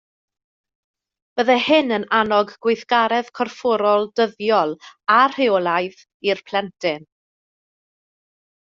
Byddai hyn yn annog gweithgaredd corfforol dyddiol a rheolaidd i'r plentyn